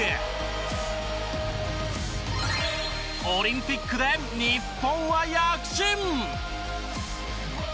オリンピックで日本は躍進。